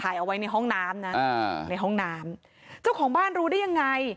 เอาไว้ในห้องน้ำนะอ่าในห้องน้ำเจ้าของบ้านรู้ได้ยังไง